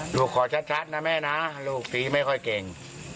ลูกขอชัดชัดนะแม่นะลูกปีไม่ค่อยเก่ง